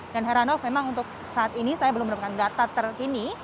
dan herano memang untuk saat ini saya belum menemukan data terkini